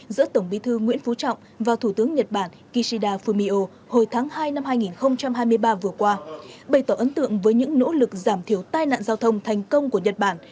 giữa tổng bí thư nguyễn phú trọng và thủ tướng nhật bản kishida fumio hồi tháng hai năm hai nghìn hai mươi ba vừa qua bày tỏ ấn tượng với những nỗ lực giảm thiểu tai nạn giao thông thành công của nhật bản